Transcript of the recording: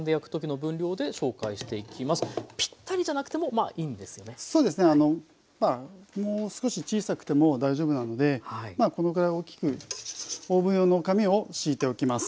まあもう少し小さくても大丈夫なのでこのぐらい大きくオーブン用の紙を敷いておきます。